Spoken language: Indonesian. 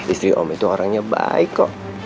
istri om itu orangnya baik kok